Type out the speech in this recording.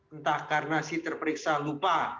entah karena si terperiksa lupa